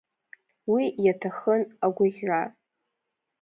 Уи иаҭахын агәыӷьра.